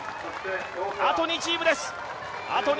あと２チームです。